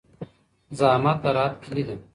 زحمت د راحت کیلي ده.